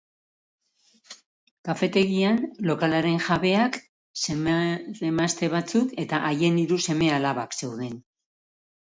Kafetegian, lokalaren jabeak, senar-emazte batzuk, eta haien hiru seme-alabak zeuden.